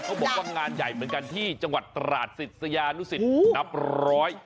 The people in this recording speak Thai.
บอกว่างานใหญ่เหมือนกันที่จังหวัดตราดศิษยานุสิตนับร้อย